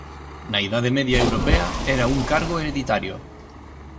Na idade media europea era un cargo hereditario.